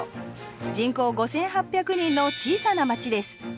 人口５，８００人の小さな町です。